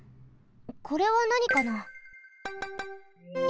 これはなにかな？